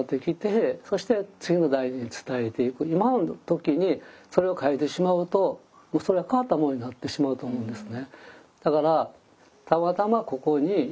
今の時にそれを変えてしまうともうそれは変わったものになってしまうと思うんですね。